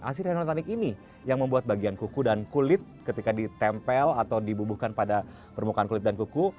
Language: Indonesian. asin henotanik ini yang membuat bagian kuku dan kulit ketika ditempel atau dibubuhkan pada permukaan kulit dan kuku